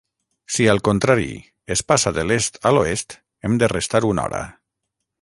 Si al contrari, es passa de l'Est a l'Oest, hem de restar una hora.